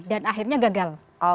dan akhirnya gagal